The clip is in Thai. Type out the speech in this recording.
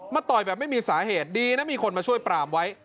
ต่อยแบบไม่มีสาเหตุดีนะมีคนมาช่วยปรามไว้